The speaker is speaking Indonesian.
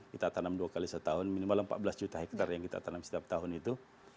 kita tanam dua kali setahun minimal empat belas juta hektare yang kita tanam setiap tahun itu